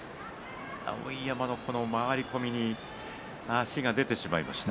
碧山の回り込みに足が出てしまいました。